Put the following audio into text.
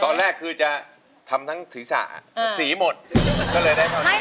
ตอนแรกคือจะทำทั้งศีรษะสีหมดก็เลยได้เท่านี้